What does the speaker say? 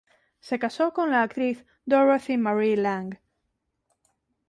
Se casó con la actriz Dorothy Marie Lang.